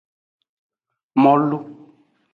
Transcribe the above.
Molu.